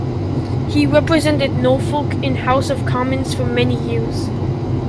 He represented Norfolk in House of Commons for many years.